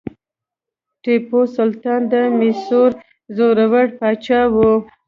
ټیپو سلطان د میسور زړور پاچا و.